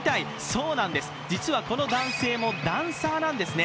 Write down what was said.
そうなんです、実はこの男性もダンサーなんですね。